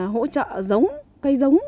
hỗ trợ giống cây giống